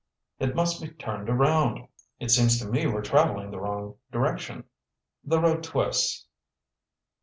"I must be turned around. It seems to me we're traveling the wrong direction." "The road twists."